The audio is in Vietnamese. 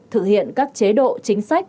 thực hiện các chế độ chính sách